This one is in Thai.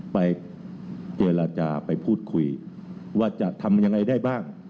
ไปเจรจาไปพูดคุยว่าจะทำยังไงได้บ้าง